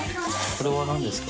それは何ですか？